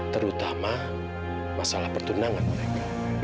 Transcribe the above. terutama masalah pertunangan mereka